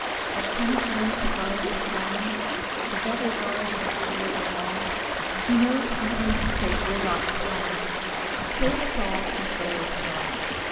Oh! can it be the guard was gone, The better guard than shield or wall? Who knows on earth save Jurlagh Daune? (Save us all from Fairy thrall!)